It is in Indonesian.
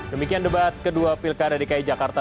demikian debat kedua pilkada dki jakarta